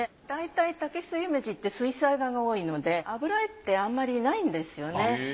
だいたい竹久夢二って水彩画が多いので油絵ってあんまりないんですよね。